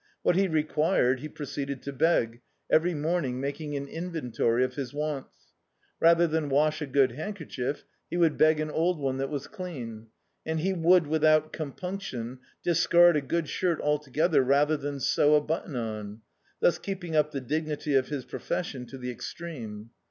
What he required he proceeded to beg, every morn ing malting an inventory of his wants. Rather than wash a good handkerchief he would beg an old one that was clean, and he would without compimction discard a good shirt altf^ether rather than sew a button on — thus keeping up the dignity of his pro fession to the extreme.